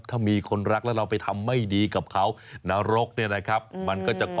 ถ้ามีคนรักและเราไปทำให้ดีกับเขา